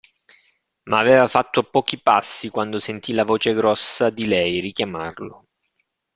Ma aveva fatto pochi passi quando sentì la voce grossa di lei richiamarlo.